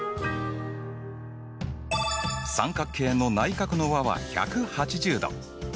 三角形の内角の和は１８０°。